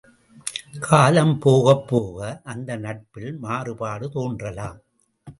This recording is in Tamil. காலம் போகப் போக அந்த நட்பில் மாறுபாடு தோன்றலாம்.